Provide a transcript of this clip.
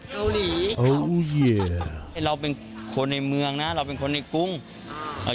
เกาหลีไอ้เราเป็นคนในเมืองนะเราเป็นคนในกรุงอ่า